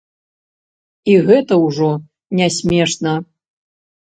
І гэта ўжо не смешна.